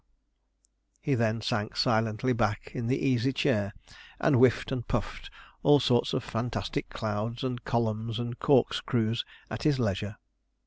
He then sank silently back in the easy chair and whiffed and puffed all sorts of fantastic clouds and columns and corkscrews at his leisure.